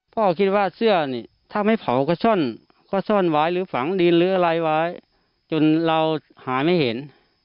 พ่อคิดว่าเสื้อนี่ถ้าไม่เผาก็ซ่อนก็ซ่อนไว้หรือฝังดินหรืออะไรไว้จนเราหาไม่เห็น